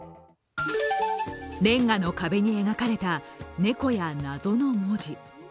れんがの壁に描かれた猫や謎の文字。